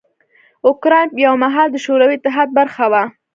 اوکراین یو مهال د شوروي اتحاد برخه وه.